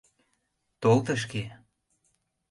Тол тышке!